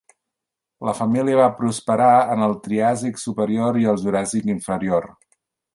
La família va prosperar en el Triàsic superior i el Juràssic inferior.